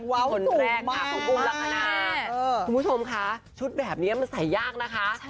ว้าวสูงมากคุณคุณคุณคุณคุณคุณค่ะชุดแบบนี้มันใส่ยากนะคะ